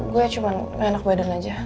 gue cuma gak enak badan aja